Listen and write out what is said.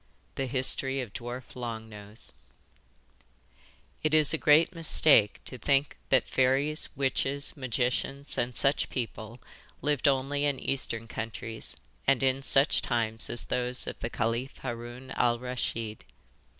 THE HISTORY OF DWARF LONG NOSE It is a great mistake to think that fairies, witches, magicians, and such people lived only in Eastern countries and in such times as those of the Caliph Haroun Al Raschid.